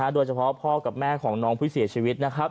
โดยเฉพาะพ่อกับแม่ของน้องผู้เสียชีวิตนะครับ